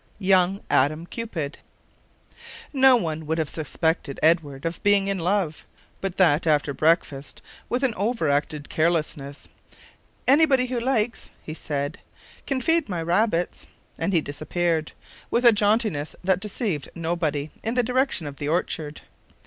"YOUNG ADAM CUPID" NO one would have suspected Edward of being in love, but that after breakfast, with an over acted carelessness, "Anybody who likes," he said, "can feed my rabbits," and he disappeared, with a jauntiness that deceived nobody, in the direction of the orchard.